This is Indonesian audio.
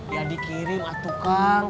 ya dikirim atu kang